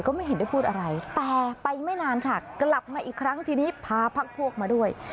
ไม่เห็นได้พูดอะไรแต่ไปไม่นานค่ะกลับมาอีกครั้งทีนี้พาพักพวกมาด้วย